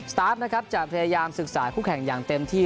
ตาร์ฟนะครับจะพยายามศึกษาคู่แข่งอย่างเต็มที่